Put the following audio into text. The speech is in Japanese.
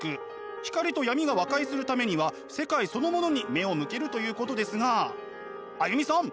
光と闇が和解するためには世界そのものに目を向けるということですがＡＹＵＭＩさん